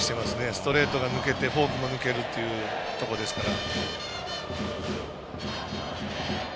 ストレートが抜けて、フォークも抜けるというところですから。